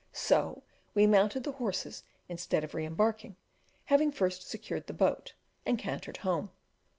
So we mounted the horses instead of re embarking, having first secured the boat, and cantered home.